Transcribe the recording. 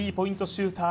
シューター